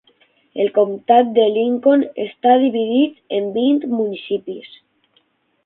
El comptat de Lincoln està dividit en vint municipis.